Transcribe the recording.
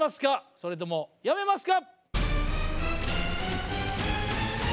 それともやめますか？